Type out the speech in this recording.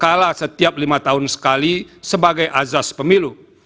kalah setiap lima tahun sekali sebagai azas pemilu